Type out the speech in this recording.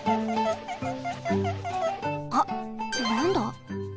あっなんだ？